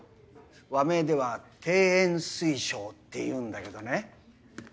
和名では庭園水晶っていうんだけどね。